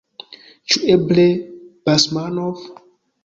Ĉu eble Basmanov?